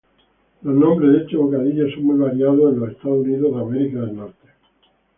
Los nombres de este bocadillo son muy variados en Estados Unidos.